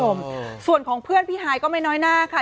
คุณผู้ชมส่วนของเพื่อนพี่ฮายก็ไม่น้อยหน้าค่ะ